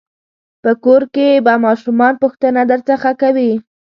په کور کې به ماشومان پوښتنه درڅخه کوي.